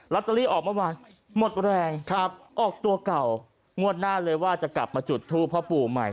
ตเตอรี่ออกเมื่อวานหมดแรงออกตัวเก่างวดหน้าเลยว่าจะกลับมาจุดทูปพ่อปู่ใหม่